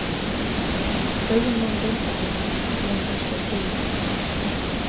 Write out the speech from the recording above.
Тыйым монден омыл, мондаш ок лий.